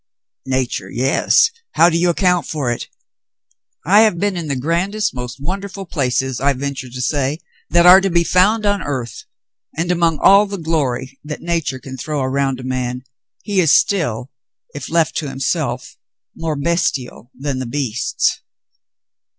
'* "Nature — yes — how do you account for it.^ I have been in the grandest, most wonderful places, I venture to say, that are to be found on earth, and among all the glory that nature can throw around a man, he is still, if left to himself, more bestial than the beasts.